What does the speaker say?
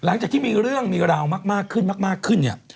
หลังจากที่มีเรื่องมีราวมากคืนนี่